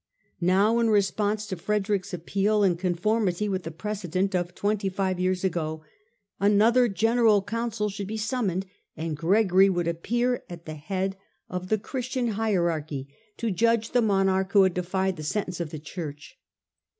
Now, in response to Frederick's appeal, in conformity with the precedent of twenty five years ago, another General Council should be summoned, and Gregory would appear at the head of the Christian 191 192 STUPOR MUNDI hierarchy to judge the monarch who had defied the sentence of the Church.